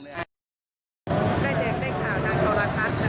ได้เจ็บได้ข่าวนางโตรทัศน์